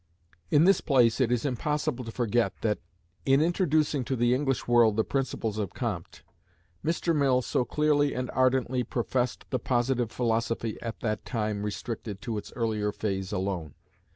In this place it is impossible to forget, that, in introducing to the English world the principles of Comte, Mr. Mill so clearly and ardently professed the positive philosophy at that time restricted to its earlier phase alone.